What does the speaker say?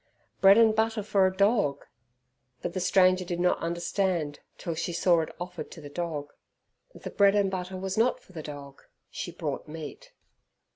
Bread and butter for a dog! but the stranger did not understand till she saw it offered to the dog. The bread and butter was not for the dog. She brought meat.